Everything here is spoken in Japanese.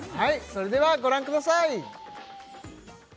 それではご覧ください